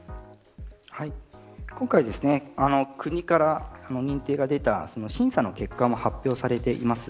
今回、国からの認定が出た審査の結果も発表されています。